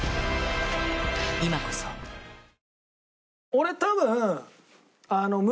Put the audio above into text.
俺多分。